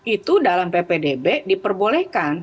itu dalam ppdb diperbolehkan